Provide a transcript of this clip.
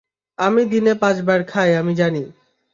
আমি দিনে পাঁচবার খাই, আমি জানি।